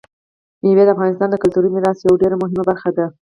مېوې د افغانستان د کلتوري میراث یوه ډېره مهمه برخه ده.